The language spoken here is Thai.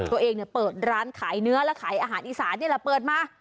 ตัวเองเปิดร้านขายเนื้อและขายอาหารอีสานนี่แหละเปิดมา